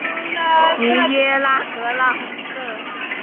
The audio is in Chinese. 吉耶朗格朗热。